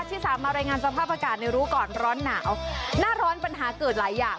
ที่สามารถรายงานสภาพอากาศในรู้ก่อนร้อนหนาวหน้าร้อนปัญหาเกิดหลายอย่าง